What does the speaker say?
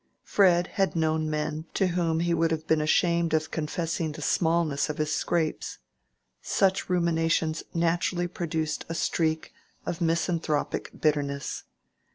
Fred had known men to whom he would have been ashamed of confessing the smallness of his scrapes. Such ruminations naturally produced a streak of misanthropic bitterness.